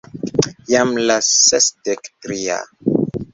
Jam la sesdek tria...